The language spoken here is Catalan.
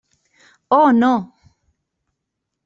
Oh, no!